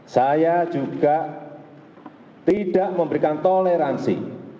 saya juga tidak memberikan toleransi